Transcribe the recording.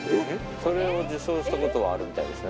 それを受賞したこともあるみたいですね。